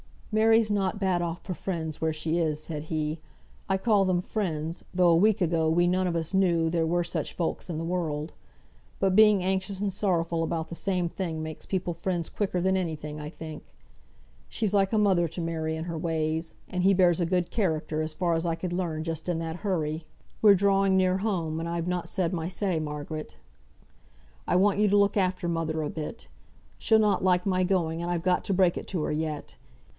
"Mary's not bad off for friends where she is," said he. "I call them friends, though a week ago we none of us knew there were such folks in the world. But being anxious and sorrowful about the same thing makes people friends quicker than any thing, I think. She's like a mother to Mary in her ways; and he bears a good character, as far as I could learn just in that hurry. We're drawing near home, and I've not said my say, Margaret. I want you to look after mother a bit. She'll not like my going, and I've got to break it to her yet.